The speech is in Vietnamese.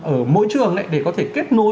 ở mỗi trường để có thể kết nối